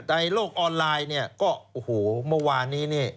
ในโลกออนไลน์เนี่ยก็โอ้โหเมื่อวานนี้นี่